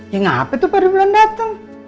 ya ngapain tuh pada bulan dateng